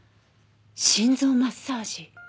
心臓マッサージ。